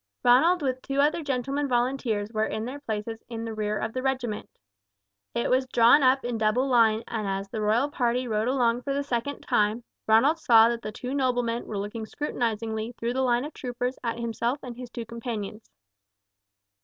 Ronald with two other gentlemen volunteers were in their places in the rear of the regiment. It was drawn up in double line, and as the royal party rode along for the second time, Ronald saw that the two noblemen were looking scrutinizingly through the line of troopers at himself and his two companions.